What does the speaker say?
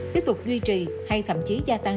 tiếp tục duy trì hay thậm chí gia tăng